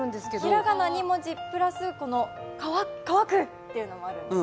ひらがな２文字プラス乾く！っていうのがあるんです。